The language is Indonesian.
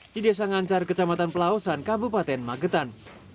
di desa ngancar kecamatan pelausan kabupaten magetan